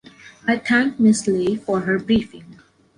I thank Ms. Lei for her briefing.